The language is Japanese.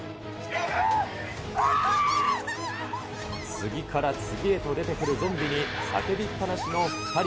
次から次へと出てくるゾンビに叫びっぱなしの２人。